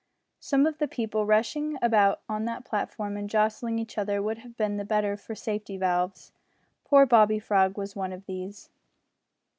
Some of the people rushing about on that platform and jostling each other would have been the better for safety valves! poor Bobby Frog was one of these.